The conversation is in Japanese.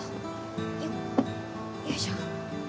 よっよいしょ。